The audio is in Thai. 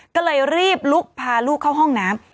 ก็เลยรีบลุกพาลูกเข้าห้องน้ำ